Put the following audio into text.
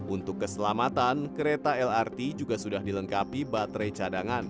untuk keselamatan kereta lrt juga sudah dilengkapi baterai cadangan